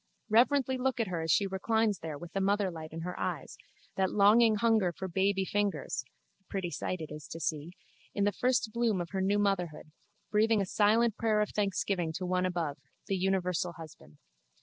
Reverently look at her as she reclines there with the motherlight in her eyes, that longing hunger for baby fingers (a pretty sight it is to see), in the first bloom of her new motherhood, breathing a silent prayer of thanksgiving to One above, the Universal Husband.